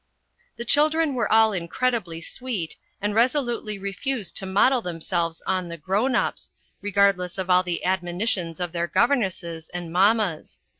The children were all incredibly sweet, and resolutely refused to model themselves on the " grown ups," regardless of all the admonitions of their governesses and mammas.